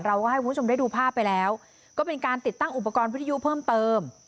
เราก็ให้คุณผู้ชมได้ดูภาพไปแล้วก็เป็นการติดตั้งอุปกรณ์วิทยุเพิ่มเติม